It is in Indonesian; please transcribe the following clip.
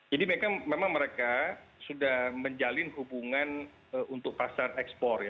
jadi memang mereka sudah menjalin hubungan untuk pasar ekspor